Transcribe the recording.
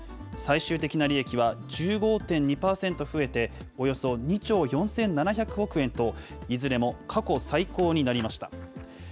最終的な利益は１５．２％増えて、およそ２兆４７００億円と、いずれも過去最高になりました。